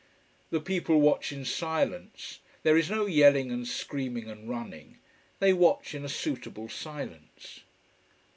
The people watch in silence. There is no yelling and screaming and running. They watch in a suitable silence.